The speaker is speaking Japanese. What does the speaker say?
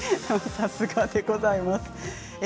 さすがでございます。